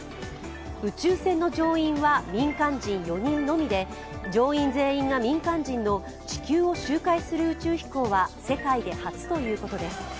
宇宙船の乗員は民間人４人のみで乗員全員が民間人の地球を周回する宇宙飛行は世界で初ということです。